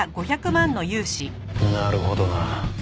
なるほどな。